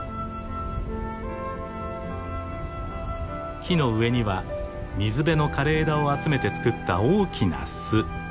木の上には水辺の枯れ枝を集めて作った大きな巣。